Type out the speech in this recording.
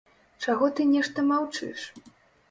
Чаго ты нешта маўчыш!